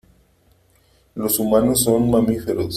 Los humanos son mamíferos.